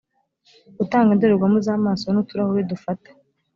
utanga indorerwamo z amaso n uturahuri dufata